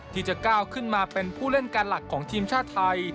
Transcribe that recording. ที่จะก้าวขึ้นมาเป็นผู้เล่นการหลักของทีมชาติไทย